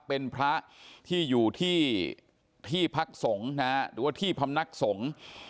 เป็นพระที่อยู่ที่พักสงฆ์นะฮะหรือว่าที่พำนักสงฆ์